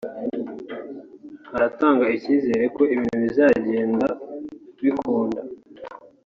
haratanga ikizere ko ibintu bizagenda bikunda